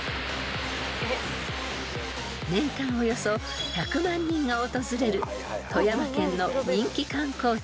［年間およそ１００万人が訪れる人気観光地］